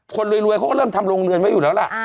คนรวยเขาก็เริ่มทำโรงเรือนไว้อยู่แล้วล่ะ